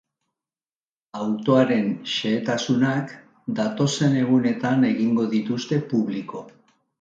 Autoaren xehetasunak datozen egunetan egingo dituzte publiko.